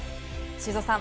修造さん